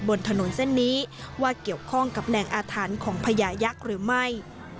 บนถนนเส้นนี้ว่าเกี่ยวข้องกับแหล่งอาถรรพ์ของพญายักษ์หรือไม่